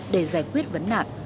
để giải quyết vấn nạn